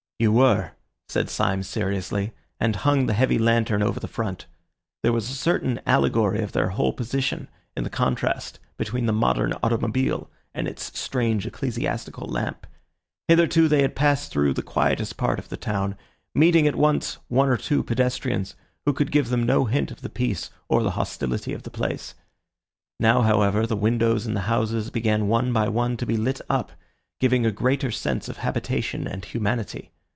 "You were," said Syme seriously, and hung the heavy lantern over the front. There was a certain allegory of their whole position in the contrast between the modern automobile and its strange ecclesiastical lamp. Hitherto they had passed through the quietest part of the town, meeting at most one or two pedestrians, who could give them no hint of the peace or the hostility of the place. Now, however, the windows in the houses began one by one to be lit up, giving a greater sense of habitation and humanity.